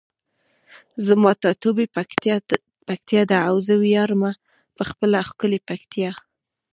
زما ټاټوبی پکتیکا ده او زه ویاړمه په خپله ښکلي پکتیکا.